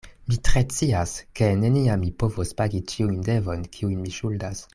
Mi tre scias, ke neniam mi povos pagi ĉiujn devojn, kiujn mi ŝuldas.